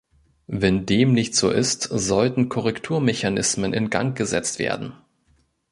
Wenn dem nicht so ist, sollten Korrekturmechanismen in Gang gesetzt werden.